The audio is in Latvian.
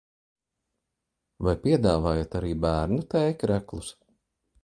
Vai piedāvājat arī bērnu t-kreklus?